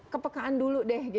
kepekaan dulu deh